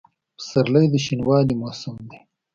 پسرلی د شنوالي موسم دی.